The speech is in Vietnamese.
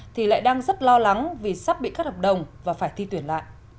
thì lại đang rất lo lắng vì sắp bị cắt hợp đồng và phải thi tuyển lại